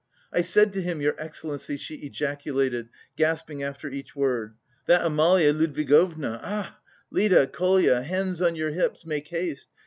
"I said to him, your excellency," she ejaculated, gasping after each word. "That Amalia Ludwigovna, ah! Lida, Kolya, hands on your hips, make haste!